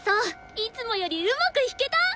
いつもよりうまく弾けた！